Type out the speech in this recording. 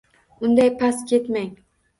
— Unday, past ketmang.